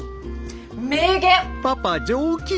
名言！